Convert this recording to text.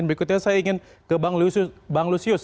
berikutnya saya ingin ke bang lusius